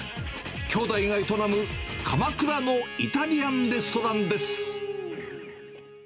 兄弟が営む鎌倉のイタリアンレストランです。